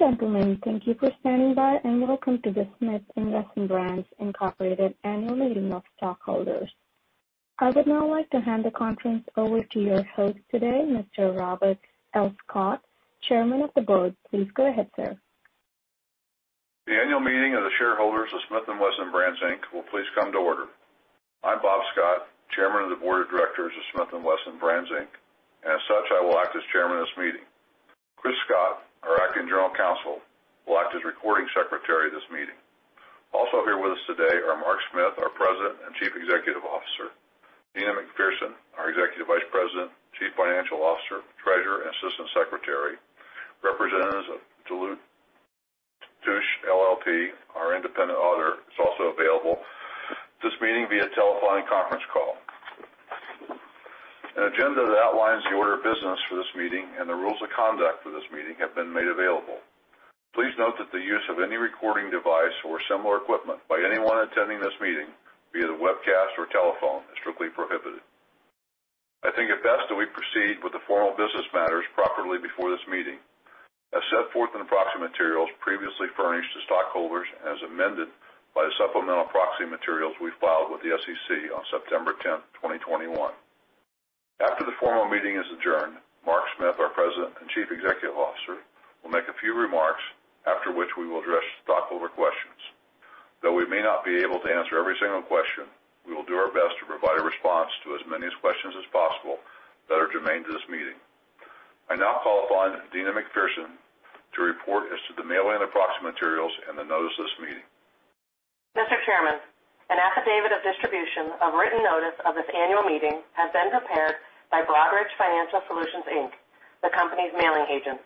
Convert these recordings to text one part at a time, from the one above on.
Ladies and gentlemen, thank you for standing by, and Welcome to the Smith & Wesson Brands Incorporated Annual Meeting of Stockholders. I would now like to hand the conference over to your host today, Mr. Robert L. Scott, Chairman of the Board. Please go ahead, sir. The annual meeting of the shareholders of Smith & Wesson Brand Inc will please come to order. I'm Bob Scott, Chairman of the Board of Directors of Smith & Wesson Brands Inc and as such, I will act as chairman of this meeting. Chris Scott, our Acting General Counsel, will act as recording secretary of this meeting. Also here with us today are Mark P. Smith, our President and Chief Executive Officer, Deana McPherson, our Executive Vice President, Chief Financial Officer, Treasurer, and Assistant Secretary. Representatives of Deloitte & Touche LLP, our independent auditor, is also available at this meeting via telephone conference call. An agenda that outlines the order of business for this meeting and the rules of conduct for this meeting have been made available. Please note that the use of any recording device or similar equipment by anyone attending this meeting, via the webcast or telephone, is strictly prohibited. I think it best that we proceed with the formal business matters properly before this meeting as set forth in the proxy materials previously furnished to stockholders and as amended by the supplemental proxy materials we filed with the SEC on September 10th, 2021. After the formal meeting is adjourned, Mark P. Smith, our President and Chief Executive Officer, will make a few remarks, after which we will address stockholder questions. Though we may not be able to answer every single question, we will do our best to provide a response to as many questions as possible that are germane to this meeting. I now call upon Deana McPherson to report as to the mailing of the proxy materials and the notice of this meeting. Mr. Chairman, an affidavit of distribution of written notice of this annual meeting has been prepared by Broadridge Financial Solutions Inc, the company's mailing agent.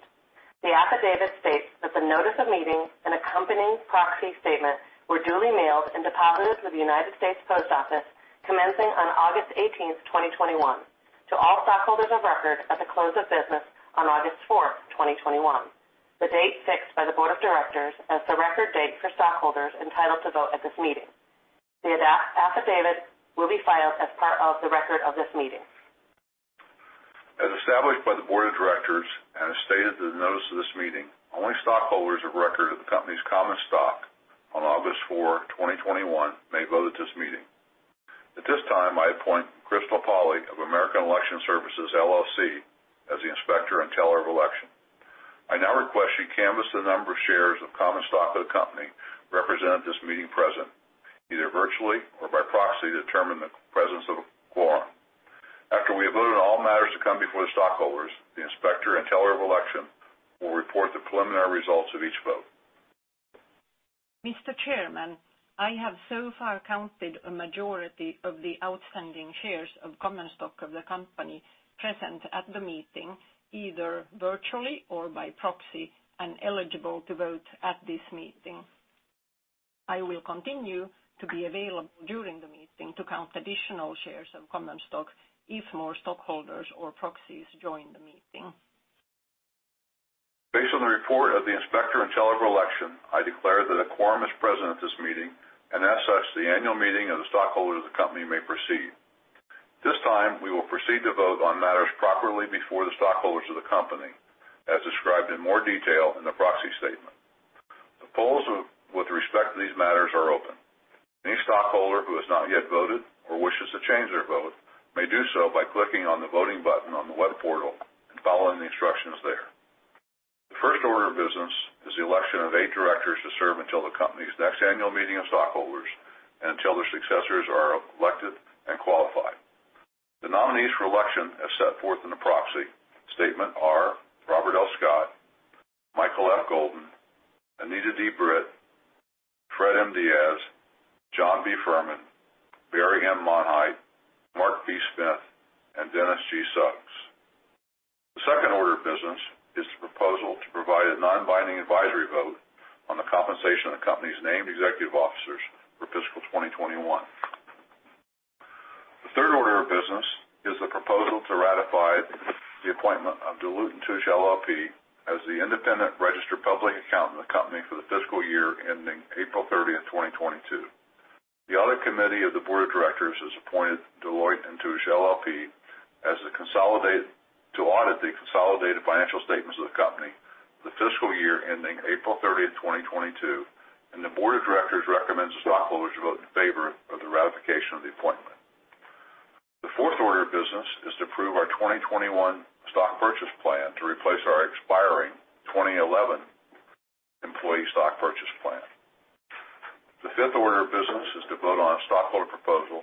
The affidavit states that the notice of meeting and accompanying proxy statement were duly mailed and deposited with the United States Postal Service commencing on August 18, 2021, to all stockholders of record at the close of business on August 4, 2021, the date fixed by the board of directors as the record date for stockholders entitled to vote at this meeting. The affidavit will be filed as part of the record of this meeting. As established by the board of directors and as stated in the notice of this meeting, only stockholders of record of the company's common stock on August 4, 2021, may vote at this meeting. At this time, I appoint Crystal Pauley of American Election Services, LLC as the Inspector and Teller of Election. I now request she canvass the number of shares of common stock of the company represented at this meeting present, either virtually or by proxy, to determine the presence of a quorum. After we have voted on all matters to come before the stockholders, the Inspector and Teller of Election will report the preliminary results of each vote. Mr. Chairman, I have so far counted a majority of the outstanding shares of common stock of the company present at the meeting, either virtually or by proxy, and eligible to vote at this meeting. I will continue to be available during the meeting to count additional shares of common stock if more stockholders or proxies join the meeting. Based on the report of the Inspector and Teller of Election, I declare that a quorum is present at this meeting, and as such, the annual meeting of the stockholders of the company may proceed. At this time, we will proceed to vote on matters properly before the stockholders of the company, as described in more detail in the proxy statement. The polls with respect to these matters are open. Any stockholder who has not yet voted or wishes to change their vote may do so by clicking on the voting button on the web portal and following the instructions there. The first order of business is the election of eight directors to serve until the company's next annual meeting of stockholders and until their successors are elected and qualified. The nominees for election, as set forth in the proxy statement, are Robert L. Scott, Michael F. Golden, Anita D. Britt, Fred M. Diaz, John B. Furman, Barry M. Monheit, Mark P. Smith, and Denis G. Suggs. The second order of business is the proposal to provide a non-binding advisory vote on the compensation of the company's named executive officers for fiscal 2021. The third order of business is the proposal to ratify the appointment of Deloitte & Touche LLP as the independent registered public accountant of the company for the fiscal year ending April 30th, 2022. The audit committee of the board of directors has appointed Deloitte & Touche LLP to audit the consolidated financial statements of the company for the fiscal year ending April 30th, 2022, and the board of directors recommends the stockholders vote in favor of the ratification of the appointment. The fourth order of business is to approve our 2021 Employee Stock Purchase Plan to replace our expiring 2011 Employee Stock Purchase Plan. The fifth order of business is to vote on a stockholder proposal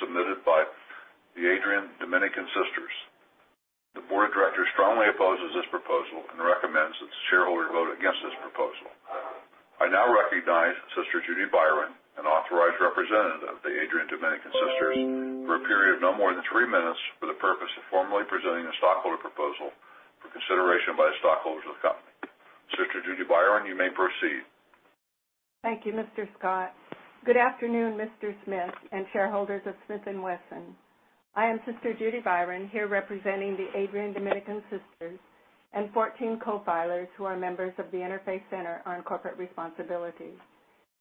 submitted by the Adrian Dominican Sisters. The board of directors strongly opposes this proposal and recommends that the shareholders vote against this proposal. I now recognize Sister Judy Byron, an authorized representative of the Adrian Dominican Sisters, for a period of no more than three minutes for the purpose of formally presenting the stockholder proposal for consideration by the stockholders of the company. Sister Judy Byron, you may proceed. Thank you, Mr. Scott. Good afternoon, Mr. Smith and shareholders of Smith & Wesson. I am Sister Judy Byron, here representing the Adrian Dominican Sisters and 14 co-filers who are members of the Interfaith Center on Corporate Responsibility.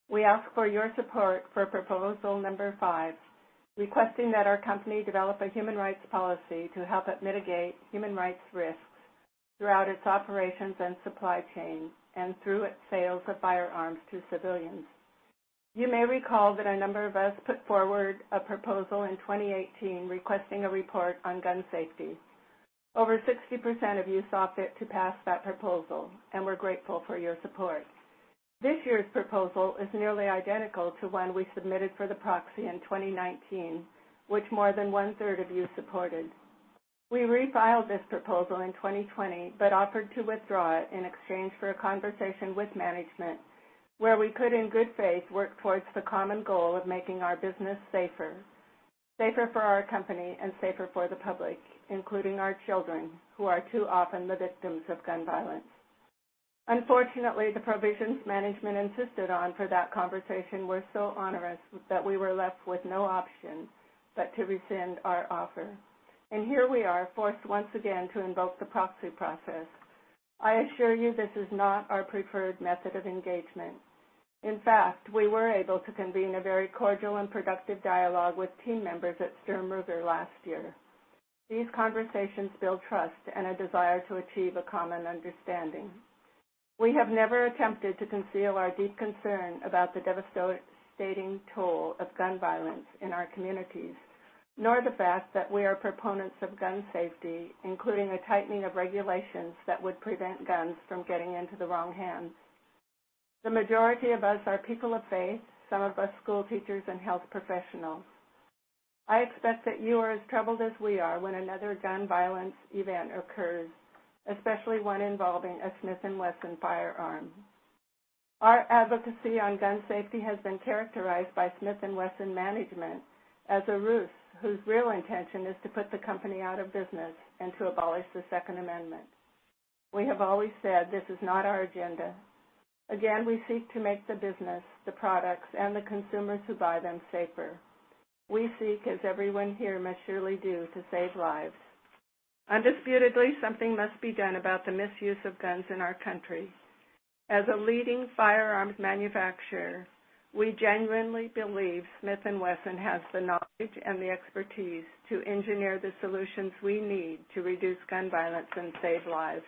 We ask for your support for proposal number five, requesting that our company develop a human rights policy to help it mitigate human rights risks throughout its operations and supply chain and through its sales of firearms to civilians. You may recall that a number of us put forward a proposal in 2018 requesting a report on gun safety. Over 60% of you saw fit to pass that proposal, and we're grateful for your support. This year's proposal is nearly identical to one we submitted for the proxy in 2019, which more than one-third of you supported. We refiled this proposal in 2020 but offered to withdraw it in exchange for a conversation with management where we could, in good faith, work towards the common goal of making our business safer for our company, and safer for the public, including our children, who are too often the victims of gun violence. Unfortunately, the provisions management insisted on for that conversation were so onerous that we were left with no option but to rescind our offer. Here we are, forced once again to invoke the proxy process. I assure you this is not our preferred method of engagement. In fact, we were able to convene a very cordial and productive dialogue with team members at Sturm Ruger last year. These conversations build trust and a desire to achieve a common understanding. We have never attempted to conceal our deep concern about the devastating toll of gun violence in our communities, nor the fact that we are proponents of gun safety, including a tightening of regulations that would prevent guns from getting into the wrong hands. The majority of us are people of faith, some of us school teachers and health professionals. I expect that you are as troubled as we are when another gun violence event occurs, especially one involving a Smith & Wesson firearm. Our advocacy on gun safety has been characterized by Smith & Wesson management as a ruse, whose real intention is to put the company out of business and to abolish the Second Amendment. We have always said this is not our agenda. We seek to make the business, the products, and the consumers who buy them safer. We seek, as everyone here must surely do, to save lives. Undisputedly, something must be done about the misuse of guns in our country. As a leading firearms manufacturer, we genuinely believe Smith & Wesson has the knowledge and the expertise to engineer the solutions we need to reduce gun violence and save lives.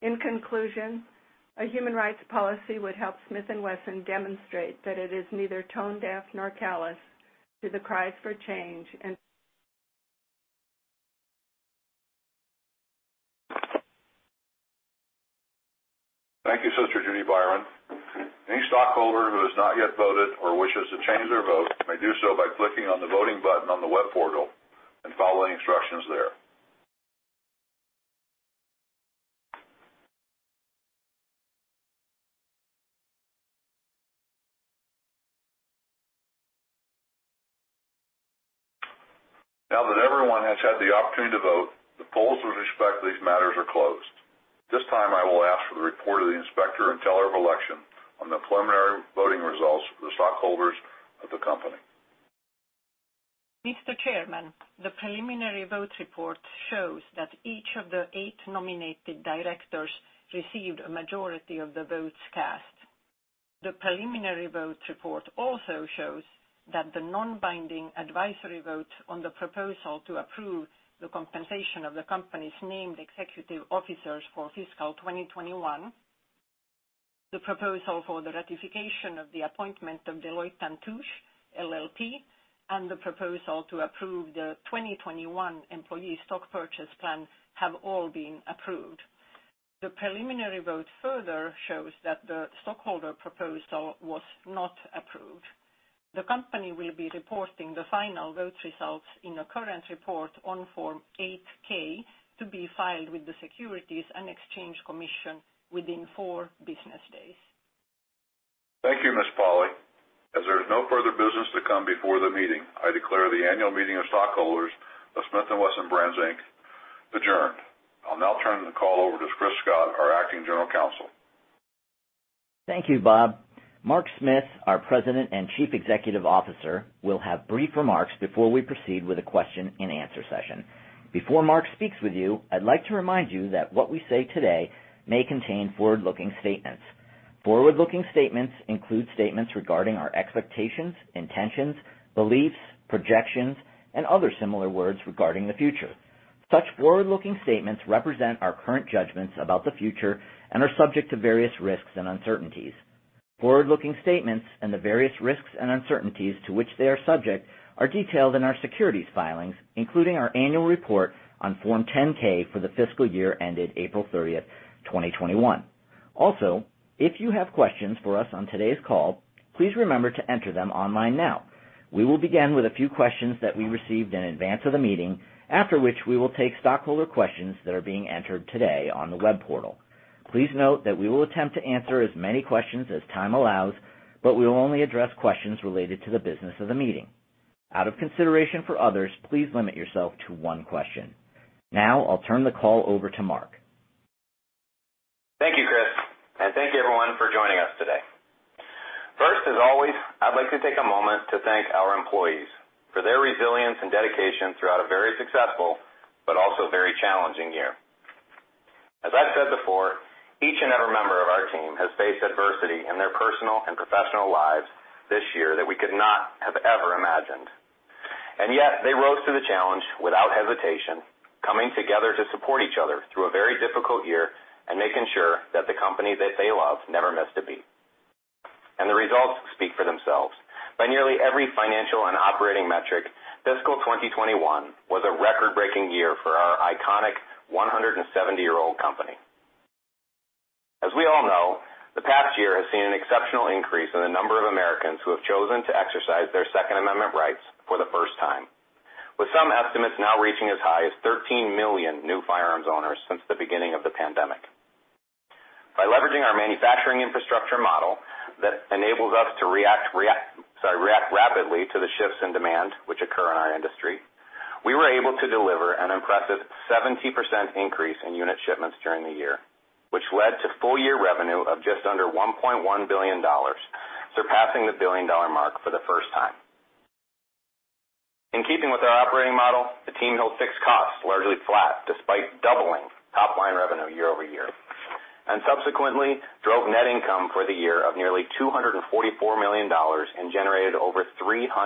In conclusion, a human rights policy would help Smith & Wesson demonstrate that it is neither tone-deaf nor callous to the cries for change. Thank you, Sister Judy Byron. Any stockholder who has not yet voted or wishes to change their vote may do so by clicking on the voting button on the web portal and following the instructions there. Now that everyone has had the opportunity to vote, the polls with respect to these matters are closed. At this time, I will ask for the report of the Inspector and Teller of Election on the preliminary voting results of the stockholders of the company. Mr. Chairman, the preliminary vote report shows that each of the eight nominated directors received a majority of the votes cast. The preliminary vote report also shows that the non-binding advisory vote on the proposal to approve the compensation of the company's named executive officers for fiscal 2021, the proposal for the ratification of the appointment of Deloitte & Touche LLP, and the proposal to approve the 2021 Employee Stock Purchase Plan have all been approved. The preliminary vote further shows that the stockholder proposal was not approved. The company will be reporting the final vote results in a current report on Form 8-K to be filed with the Securities and Exchange Commission within four business days. Thank you, Ms. Pauley. As there is no further business to come before the meeting, I declare the annual meeting of stockholders of Smith & Wesson Brands Inc adjourned. I'll now turn the call over to Chris Scott, our acting General Counsel. Thank you, Bob. Mark P. Smith, our President and Chief Executive Officer, will have brief remarks before we proceed with a question-and-answer session. Before Mark speaks with you, I'd like to remind you that what we say today may contain forward-looking statements. Forward-looking statements include statements regarding our expectations, intentions, beliefs, projections, and other similar words regarding the future. Such forward-looking statements represent our current judgments about the future and are subject to various risks and uncertainties. Forward-looking statements and the various risks and uncertainties to which they are subject are detailed in our securities filings, including our annual report on Form 10-K for the fiscal year ended April 30th, 2021. Also, if you have questions for us on today's call, please remember to enter them online now. We will begin with a few questions that we received in advance of the meeting, after which we will take stockholder questions that are being entered today on the web portal. Please note that we will attempt to answer as many questions as time allows, but we will only address questions related to the business of the meeting. Out of consideration for others, please limit yourself to one question. Now, I'll turn the call over to Mark. Thank you, Chris, and thank you, everyone, for joining us today. First, as always, I'd like to take a moment to thank our employees for their resilience and dedication throughout a very successful but also very challenging year. As I've said before, each and every member of our team has faced adversity in their personal and professional lives this year that we could not have ever imagined. Yet, they rose to the challenge without hesitation, coming together to support each other through a very difficult year and making sure that the company that they love never missed a beat. The results speak for themselves. By nearly every financial and operating metric, fiscal 2021 was a record-breaking year for our iconic 170-year-old company. As we all know, the past year has seen an exceptional increase in the number of Americans who have chosen to exercise their Second Amendment rights for the first time, with some estimates now reaching as high as 13 million new firearms owners since the beginning of the pandemic. By leveraging our manufacturing infrastructure model that enables us to react rapidly to the shifts in demand which occur in our industry, we were able to deliver an impressive 70% increase in unit shipments during the year, which led to full-year revenue of just under $1.1 billion, surpassing the billion-dollar mark for the first time. In keeping with our operating model, the team held fixed costs largely flat despite doubling top-line revenue year-over-year, and subsequently drove net income for the year of nearly $244 million and generated over $317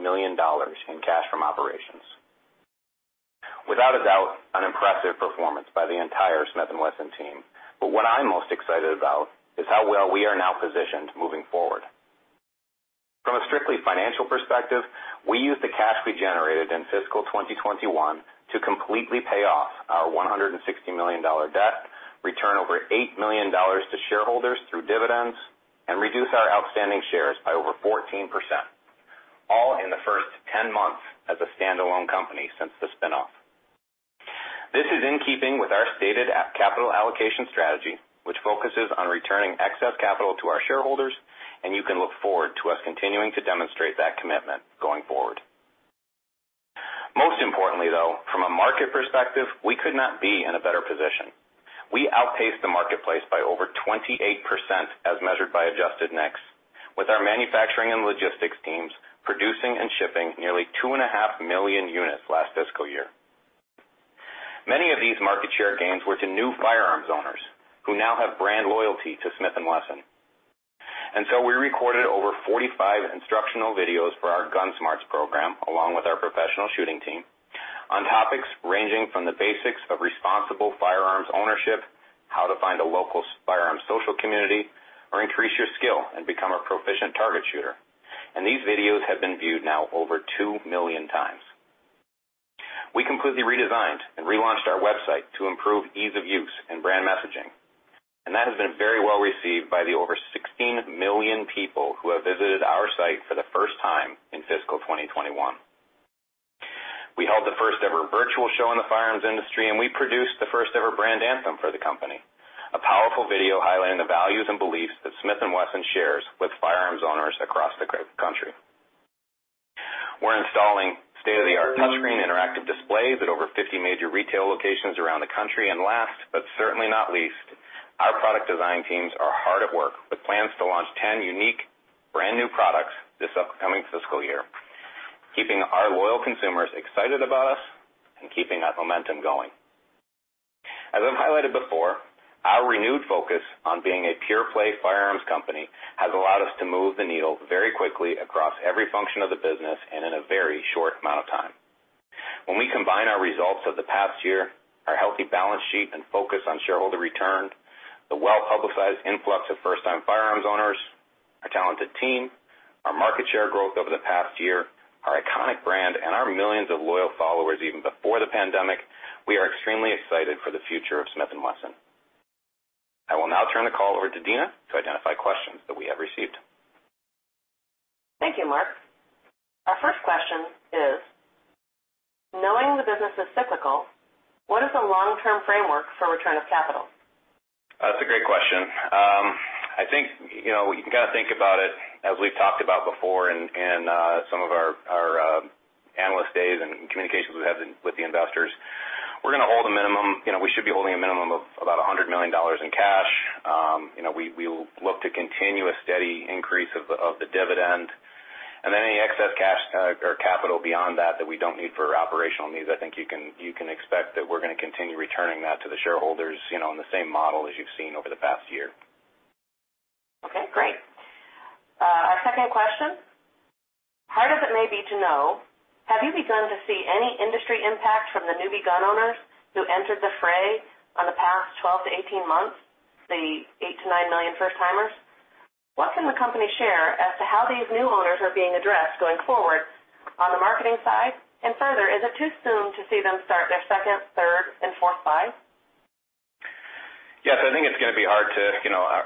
million in cash from operations. Without a doubt, an impressive performance by the entire Smith & Wesson team. What I'm most excited about is how well we are now positioned moving forward. From a strictly financial perspective, we used the cash we generated in fiscal 2021 to completely pay off our $160 million debt, return over $8 million to shareholders through dividends, and reduce our outstanding shares by over 14%, all in the first 10 months as a standalone company since the spin-off. This is in keeping with our stated capital allocation strategy, which focuses on returning excess capital to our shareholders. You can look forward to us continuing to demonstrate that commitment going forward. Most importantly, though, from a market perspective, we could not be in a better position. We outpaced the marketplace by over 28%, as measured by adjusted NICS, with our manufacturing and logistics teams producing and shipping nearly two and a half million units last fiscal year. Many of these market share gains were to new firearms owners who now have brand loyalty to Smith & Wesson. We recorded over 45 instructional videos for our GUNSMARTS program, along with our professional shooting team, on topics ranging from the basics of responsible firearms ownership, how to find a local firearms social community, or increase your skill and become a proficient target shooter. These videos have been viewed now over 2 million times. We completely redesigned and relaunched our website to improve ease of use and brand messaging, and that has been very well received by the over 16 million people who have visited our site for the first time in fiscal 2021. We held the first-ever virtual show in the firearms industry, and we produced the first-ever brand anthem for the company, a powerful video highlighting the values and beliefs that Smith & Wesson shares with firearms owners across the country. We're installing state-of-the-art touchscreen interactive displays at over 50 major retail locations around the country. Last, but certainly not least, our product design teams are hard at work with plans to launch 10 unique brand-new products this upcoming fiscal year, keeping our loyal consumers excited about us and keeping that momentum going. As I've highlighted before, our renewed focus on being a pure-play firearms company has allowed us to move the needle very quickly across every function of the business and in a very short amount of time. When we combine our results of the past year, our healthy balance sheet and focus on shareholder return, the well-publicized influx of first-time firearms owners, our talented team, our market share growth over the past year, our iconic brand, and our millions of loyal followers even before the pandemic, we are extremely excited for the future of Smith & Wesson. I will now turn the call over to Deana to identify questions that we have received. Thank you, Mark. Our 1st question is, knowing the business is cyclical, what is the long-term framework for return of capital? That's a great question. I think you can kind of think about it as we've talked about before in some of our analyst days and communications we have with the investors. We should be holding a minimum of about $100 million in cash. We look to continue a steady increase of the dividend, and any excess cash or capital beyond that that we don't need for operational needs, I think you can expect that we're going to continue returning that to the shareholders in the same model as you've seen over the past year. Okay, great. Our 2nd question. Hard as it may be to know, have you begun to see any industry impact from the newbie gun owners who entered the fray on the past 12-18 months, the 8 million-9 million first-timers? What can the company share as to how these new owners are being addressed going forward on the marketing side, and further, is it too soon to see them start their 2nd, 3rd, and 4th buys? Yes, I think it's going to be hard to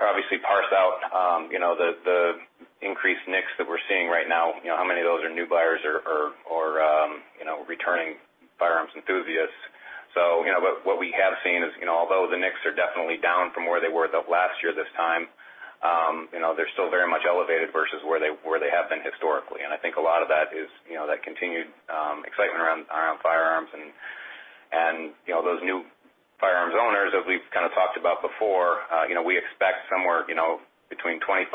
obviously parse out the increased NICS that we're seeing right now, how many of those are new buyers or returning firearms enthusiasts. What we have seen is, although the NICS are definitely down from where they were the last year this time, they're still very much elevated versus where they have been historically. I think a lot of that is that continued excitement around firearms and those new firearms owners, as we've kind of talked about before, we expect somewhere between 25%-30%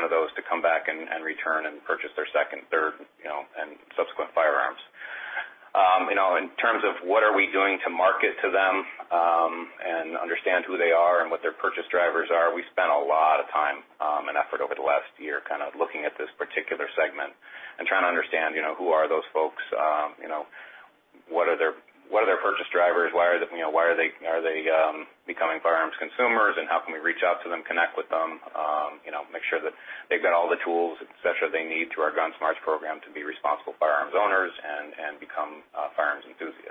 of those to come back and return and purchase their 2nd, 3rd, and subsequent firearms. In terms of what are we doing to market to them, and understand who they are and what their purchase drivers are, we spent a lot of time and effort over the last year kind of looking at this particular segment and trying to understand who are those folks, what are their purchase drivers, why are they becoming firearms consumers, and how can we reach out to them, connect with them, make sure that they've got all the tools, et cetera, they need through our GUNSMARTS program to be responsible firearms owners and become firearms enthusiasts.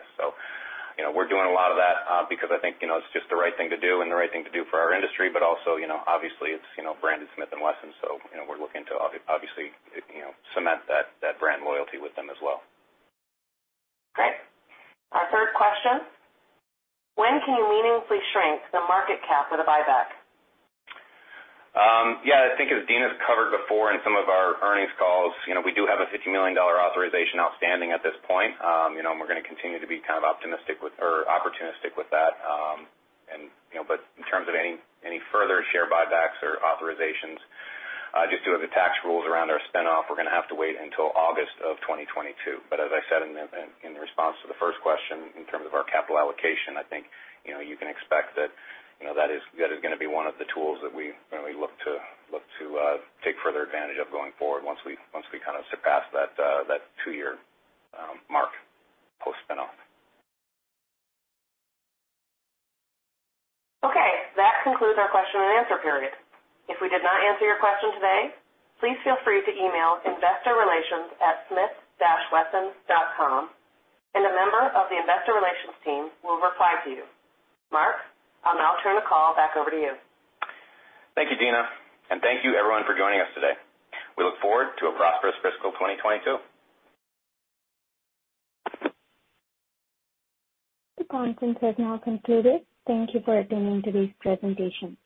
We're doing a lot of that because I think it's just the right thing to do and the right thing to do for our industry, but also, obviously, it's branded Smith & Wesson, so we're looking to obviously cement that brand loyalty with them as well. Great. Our third question, when can you meaningfully shrink the market cap with a buyback? Yeah, I think as Deana's covered before in some of our earnings calls, we do have a $50 million authorization outstanding at this point. We're going to continue to be kind of opportunistic with that. In terms of any further share buybacks or authorizations, just due to the tax rules around our spin-off, we're going to have to wait until August of 2022. As I said in the response to the first question, in terms of our capital allocation, I think you can expect that that is going to be one of the tools that we look to take further advantage of going forward once we kind of surpass that two-year mark post-spin-off. Okay. That concludes our question and answer period. If we did not answer your question today, please feel free to email investorrelations@smith-wesson.com and a member of the investor relations team will reply to you. Mark, I'll now turn the call back over to you. Thank you, Deana. Thank you everyone for joining us today. We look forward to a prosperous fiscal 2022. The conference has now concluded. Thank you for attending today's presentation.